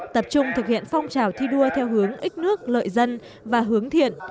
tập trung thực hiện phong trào thi đua theo hướng ích nước lợi dân và hướng thiện